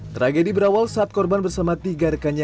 tragedi berawal saat korban bersama tiga rekannya